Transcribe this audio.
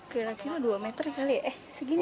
kira kira dua meter kali eh segini